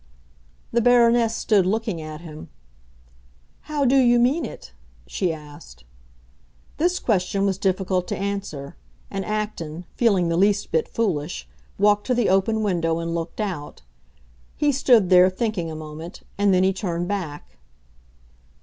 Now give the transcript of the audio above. The Baroness stood looking at him. "How do you mean it?" she asked. This question was difficult to answer, and Acton, feeling the least bit foolish, walked to the open window and looked out. He stood there, thinking a moment, and then he turned back.